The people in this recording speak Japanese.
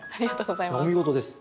お見事です。